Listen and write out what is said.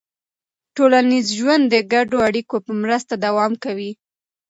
ټولنیز ژوند د ګډو اړیکو په مرسته دوام کوي.